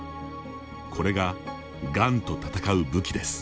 これががんと戦う武器です。